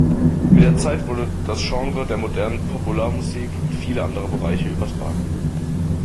Mit der Zeit wurde das Genres der modernen Popularmusik in viele andere Bereiche übertragen.